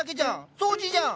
掃除じゃん！